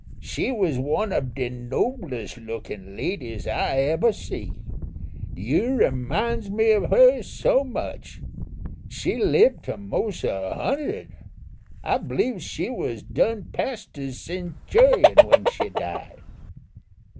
she was one ob de noblest lookin' ladies I ebber see. You reminds me ob her so much. She libbed to mos' a hundred. I bleeves she was done past a centurion when she died."